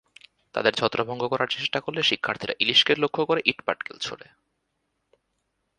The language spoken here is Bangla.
তাদের ছত্রভঙ্গ করার চেষ্টা করলে শিক্ষার্থীরা পুলিশকে লক্ষ্য করে ইটপাটকেল ছোড়ে।